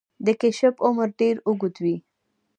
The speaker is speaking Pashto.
د کیشپ عمر ډیر اوږد وي